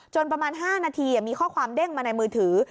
ประมาณ๕นาทีมีข้อความเด้งมาในมือถือ